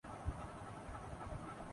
کی متبادل معیاری اصطلاحات یہی